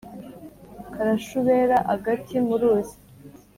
Karashubera-Agati mu ruzi.